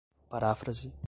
paráfrase